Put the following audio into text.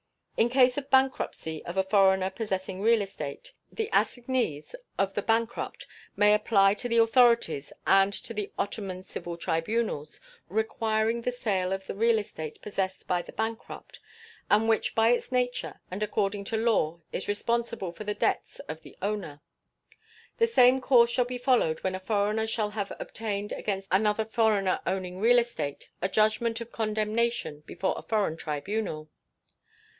In case of the bankruptcy of a foreigner possessing real estate, the assignees of the bankrupt may apply to the authorities and to the Ottoman civil tribunals requiring the sale of the real estate possessed by the bankrupt, and which by its nature and according to law is responsible for the debts of the owner. The same course shall be followed when a foreigner shall have obtained against another foreigner owning real estate a judgment of condemnation before a foreign tribunal.